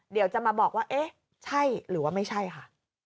เดี๋ยวจะมาบอกว่าเอ๊ะใช่หรือว่าไม่ใช่ค่ะ